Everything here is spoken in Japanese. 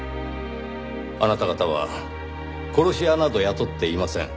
あなた方は殺し屋など雇っていません。